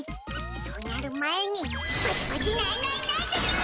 そうなる前にパチパチないないないとにゅい！